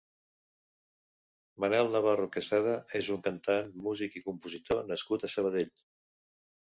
Manel Navarro Quesada és un cantant, music i compositor nascut a Sabadell.